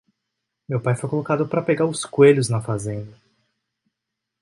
Meu pai foi colocado para pegar os coelhos na fazenda.